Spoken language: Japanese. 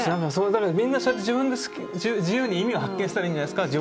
だからみんなそうやって自分で自由に意味を発見したらいいんじゃないですか。